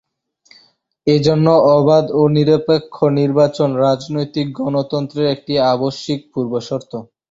এজন্য অবাধ ও নিরপেক্ষ নির্বাচন রাজনৈতিক-গণতন্ত্রের একটি আবশ্যিক পূর্বশর্ত।